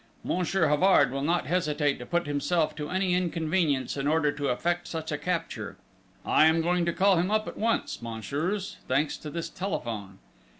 Monsieur Havard will not hesitate to put himself to any inconvenience in order to effect such a capture! I am going to call him up at once, messieurs, thanks to this telephone!"